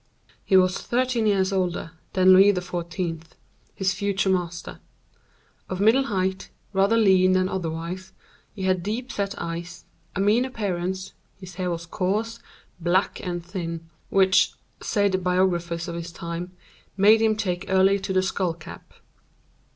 He was thirteen years older than Louis XIV., his future master. Of middle height, rather lean than otherwise, he had deep set eyes, a mean appearance, his hair was coarse, black and thin, which, say the biographers of his time, made him take early to the skull cap.